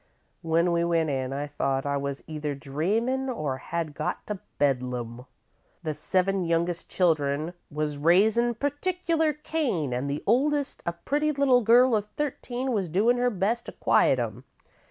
"When we went in, I thought I was either dreamin' or had got to Bedlam. The seven youngest children was raisin' particular Cain, an' the oldest, a pretty little girl of thirteen, was doin' her best to quiet 'em.